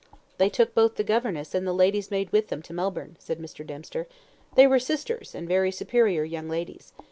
"They took both the governess and the lady's maid with them to Melbourne," said Mr. Dempster. "They were sisters, and very superior young ladies.